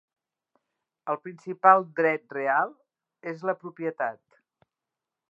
El principal dret real és la propietat.